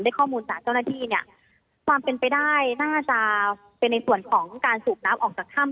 ข้อมูลจากเจ้าหน้าที่เนี่ยความเป็นไปได้น่าจะเป็นในส่วนของการสูบน้ำออกจากถ้ำ